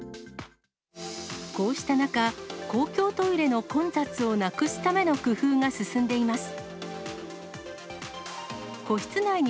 こうした中、公共トイレの混雑をなくすための工夫が進んでいます。